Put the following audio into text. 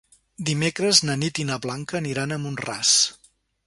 Dimecres na Nit i na Blanca aniran a Mont-ras.